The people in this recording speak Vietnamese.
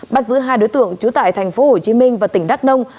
bắt giữ hai đối tượng trú tại thành phố hồ chí minh và tỉnh đắk nông